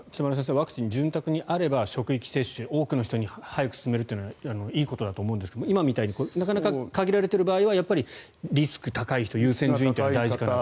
ワクチンが潤沢にあれば職域接種多くの人に早く進めるのはいいことだと思うんですけど今みたいになかなか限られている場合はリスク高い人優先順位が大事かなと。